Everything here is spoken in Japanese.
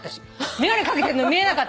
眼鏡掛けてんのに見えなかった。